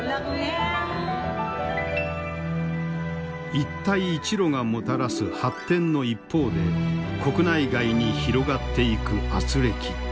一帯一路がもたらす発展の一方で国内外に広がっていく軋轢。